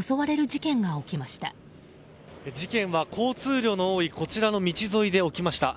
事件は交通量の多いこちらの道沿いで起きました。